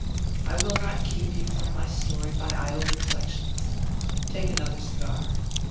I will not keep you from my story by idle reflections. Take another cigar."